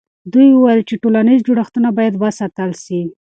دوی وویل چې ټولنیز جوړښتونه باید وساتل سي.